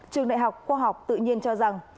trường đại học khoa học tự nhiên cho rằng